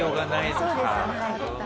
そうです。